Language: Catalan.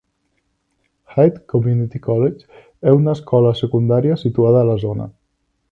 Hyde Community College és una escola secundària situada a la zona.